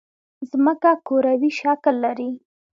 ځمکه کوروي شکل لري